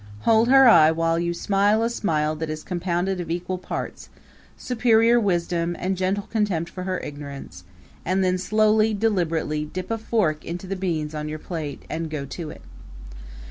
Hold her eye while you smile a smile that is compounded of equal parts superior wisdom, and gentle contempt for her ignorance and then slowly, deliberately, dip a fork into the beans on your plate and go to it.